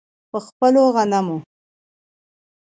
په خپلو غنمو.